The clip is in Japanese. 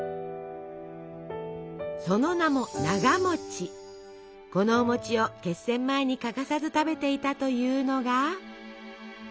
その名もこのおを決戦前に欠かさず食べていたというのが。